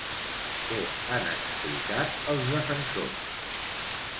Què han explicat els defensors?